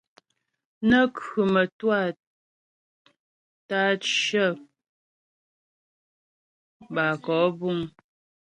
Nə́ khʉ mə́twâ tə́ á cyə bə́ á kɔ'ɔ buŋ.